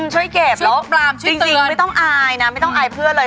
ช่วยเก็บแล้วไม่ต้องอายนะไม่ต้องอายเพื่อนเลย